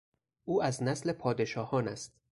او از نسل پادشاهان است.